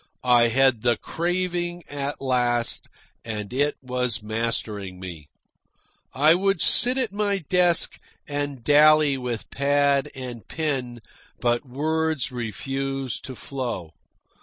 I had the craving at last, and it was mastering me. I would sit at my desk and dally with pad and pen, but words refused to flow.